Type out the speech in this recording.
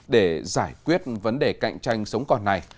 để giải quyết vấn đề cạnh tranh sống còn này